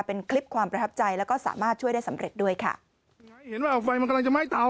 เป็นคลิปความประทับใจแล้วก็สามารถช่วยได้สำเร็จด้วยค่ะ